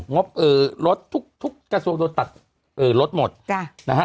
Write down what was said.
งบรถทุกทุกกระทรวงโดนตัดรถหมดจ้ะนะฮะ